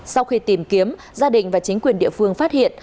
sau khi tìm kiếm gia đình và chính quyền địa phương phát hiện